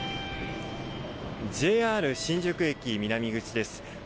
ＪＲ新宿駅南口です。